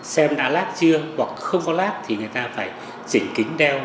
xem đã lác chưa hoặc không có lác thì người ta phải chỉnh kính đeo